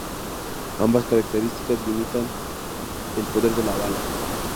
Ambas características limitaban el poder de la bala.